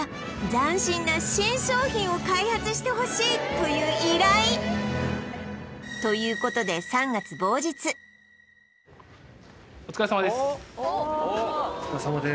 斬新な新商品を開発してほしいという依頼ということでお疲れさまです